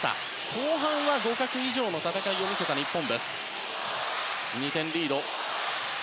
後半は互角以上の戦いを見せた日本。